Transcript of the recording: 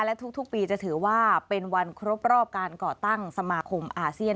และทุกปีจะถือว่าเป็นวันครบรอบการก่อตั้งสมาคมอาเซียน